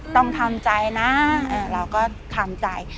ต้องทำใจนะเราก็ทำใจ